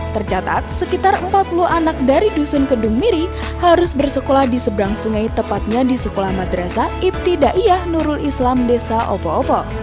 tercatat sekitar empat puluh anak dari dusun kedung miri harus bersekolah di seberang sungai tepatnya di sekolah madrasah ibtidaiyah nurul islam desa opo opo